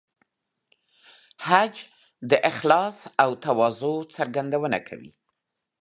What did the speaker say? حج د اخلاص او تواضع څرګندونه کوي.